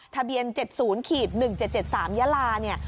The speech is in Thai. ทะเบียน๗๐๑๗๗๓ยาลาเนี่ย